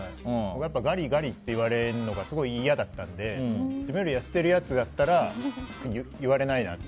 ガリ、ガリって言われるのが嫌だったので自分より痩せているやつだったら言われないなって。